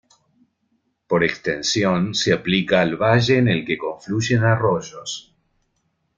Por extensión, se aplica al valle en el que confluyen arroyos.